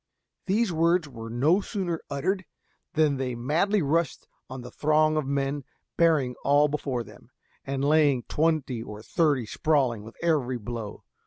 These words were no sooner uttered than they madly rushed on the throng of men, bearing all before them, and laying twenty or thirty sprawling with every blow.